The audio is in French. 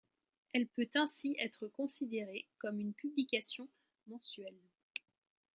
Elle peut ainsi être considérée comme une publication mensuelle.